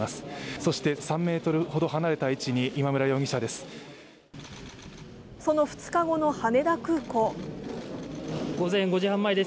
そして、３ｍほど離れた位置に今村容疑者です。